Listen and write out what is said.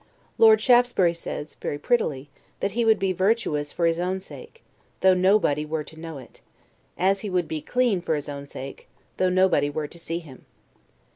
Lord Shaftesbury says, very prettily, that he would be virtuous for his own sake, though nobody were to know it; as he would be clean for his own sake, though nobody were to see him.